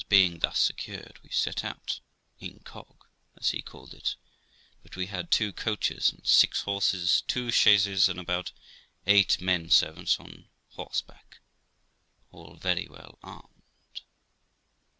Things being thus secured, we set out 'incog.', as he called it; but we had two coaches and six horses, two chaises, and about eight men servants on horseback, all very well armed.